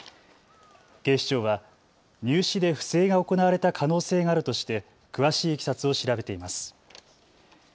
警視庁は入試で不正が行われた可能性があるとして詳しいいきさつを調べています。